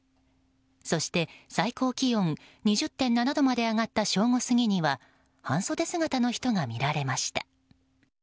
そして、最高気温２０．７度まで上がった正午過ぎには半袖姿の人が見られました。